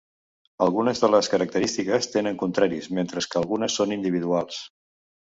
Algunes de les característiques tenen contraris, mentre que algunes són individuals.